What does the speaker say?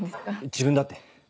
自分だって。